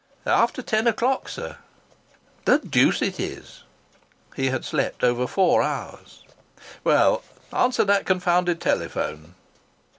"After ten o'clock, sir." "The deuce it is!" He had slept over four hours! "Well, answer that confounded telephone."